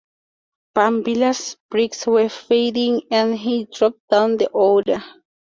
Brambilla's brakes were fading and he dropped down the order.